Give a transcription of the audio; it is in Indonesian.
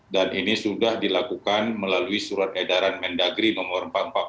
dan ini sudah dilakukan melalui surat edaran mendagri nomor empat ratus empat puluh